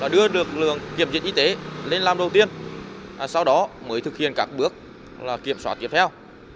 đưa lực lượng kiểm diện y tế lên làm đầu tiên sau đó mới thực hiện các bước kiểm soát tiếp theo